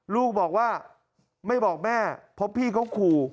ลูกบอกว่าไม่บอกแม่เพราะพี่เขาขู่